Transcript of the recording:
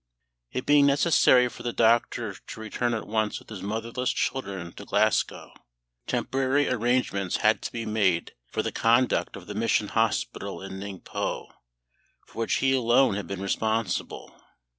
It being necessary for the doctor to return at once with his motherless children to Glasgow, temporary arrangements had to be made for the conduct of the Mission Hospital in Ningpo, for which he alone had been responsible.